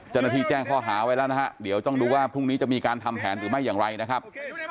เจ้าหน้าที่แจ้งข้อหาไว้แล้วนะฮะเดี๋ยวต้องดูว่าพรุ่งนี้จะมีการทำแผนหรือไม่อย่างไรนะครับ